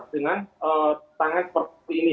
dengan tangan seperti ini